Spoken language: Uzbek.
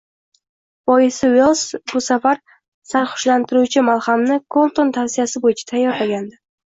Boisi, Uelss bu safar sarxushlantiruvchi malhamni Kolton tavsiyasi bo‘yicha tayyorlagandi